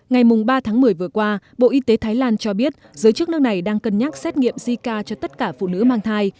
ngày ba tháng một mươi vừa qua bộ y tế thái lan cho biết giới chức nước này đang cân nhắc xét nghiệm zika cho tất cả phụ nữ mang thai